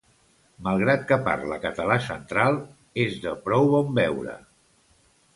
Malgrat que parla català central, és de prou bon veure.